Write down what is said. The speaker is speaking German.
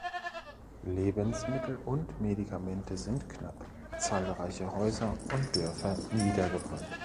Lebensmittel und Medikamente sind knapp, zahlreiche Häuser und Dörfer niedergebrannt.